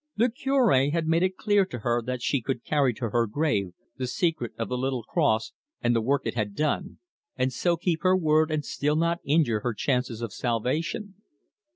The Cure had made it clear to her that she could carry to her grave the secret of the little cross and the work it had done, and so keep her word and still not injure her chances of salvation.